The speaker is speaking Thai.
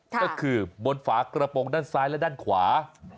ก็คือบนฝากระโปรงด้านซ้ายและด้านขวา